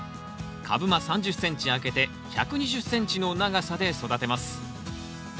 株間３０ｃｍ空けて１２０ｃｍの長さで育てます。